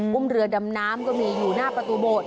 ุ่มเรือดำน้ำก็มีอยู่หน้าประตูโบสถ